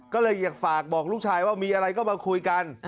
ก็เลยอยากฝากบอกลูกชายว่ามีอะไรก็มาคุยกัน